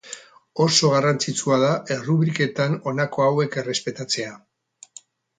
Oso garrantzitsua da errubriketan honako hauek errespetatzea.